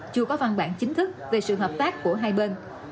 chưa có văn bản chính thức về sự hợp tác của hai bên